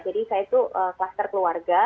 jadi saya itu kluster keluarga